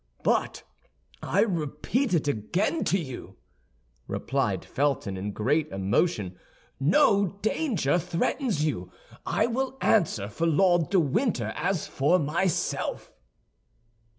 "But I repeat it again to you," replied Felton, in great emotion, "no danger threatens you; I will answer for Lord de Winter as for myself."